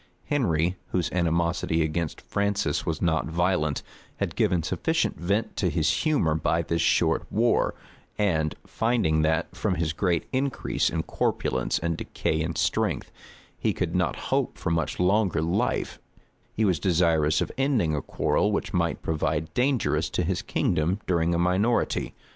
Henry, whose animosity against Francis was not violent, had given sufficient vent to his humor by this short war; and finding that, from his great increase in corpulence and decay in strength, he could not hope for much longer life, he was desirous of ending a quarrel which might prove dangerous to his kingdom during a minority.